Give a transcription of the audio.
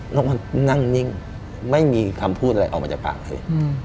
มันก็นั่งนิ่งไม่มีคำพูดอะไรออกมาจากปากเลย